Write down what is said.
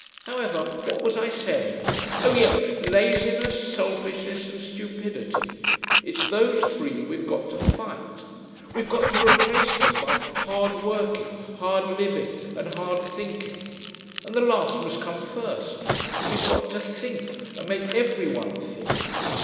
However, what was I saying? Oh yes laziness, selfishness and stupidity. It's those three we've got to fight. We've got to replace them by hard working, hard living, and hard thinking. And the last must come first. We've got to think, and make every one think....